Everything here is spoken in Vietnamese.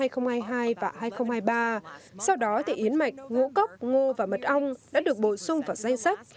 trong năm hai nghìn hai mươi hai và hai nghìn hai mươi ba sau đó thì yến mạch ngũ cốc ngô và mật ong đã được bổ sung vào danh sách